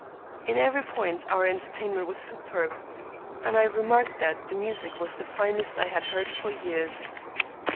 In every point our entertainment was superb; and I remarked that the music was the finest I had heard for years.